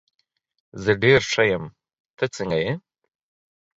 زه ډېر ښه یم، ته څنګه یې؟